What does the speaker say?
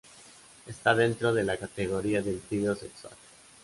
Está dentro de la categoría del trío sexual.